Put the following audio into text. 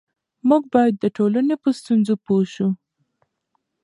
موږ باید د ټولنې په ستونزو پوه سو.